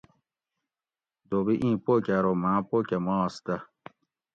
دھوبی اِیں پو کہ ارو ماۤں پو کہ ماس دہ